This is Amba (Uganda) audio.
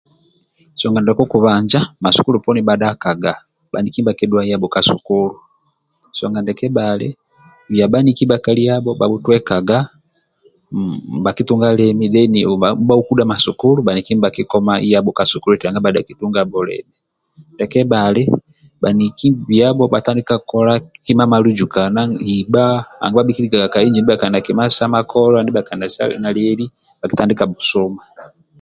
Nsonga ndia kokubanja masukulu poni bhadhakaga bhaniki nivhakidhuwq yabho ka sukulu nsonga ndia kebhali bia bhaniki bhakaliabho bhabhutwekaga nibhakitunga lima ndia bhaokudha masukulu nibhakikomabyabho ka sukulu eti nanga bhali na limi nsonga ndia kebhali bhaniki biabho bhtandika kola kima malijukana ibha anga bhabhililikaga ka inji ndia bhakali na sa makola ndia bhakali na lieli nibha kita dika bhusuma